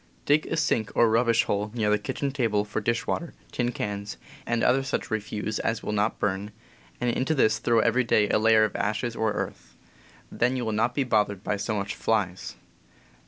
Dig a sink or rubbish hole near the kitchen table, for dishwater, tin cans, and such other refuse as will ^,., not burn, and into this throw every day a layer of ashes or earth. Then you will not be bothered so much by flies.